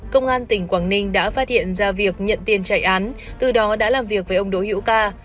công an tỉnh quảng ninh đã phát hiện ra việc nhận tiền chạy án từ đó đã làm việc với ông đỗ hữu ca